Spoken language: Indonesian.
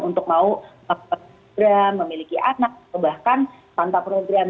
untuk mau melakukan program memiliki anak atau bahkan tanpa program